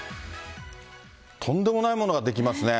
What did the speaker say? とんでもないものができますね。